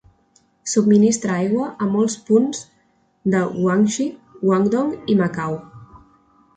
Subministra aigua a molts punts de Guangxi, Guangdong i Macau.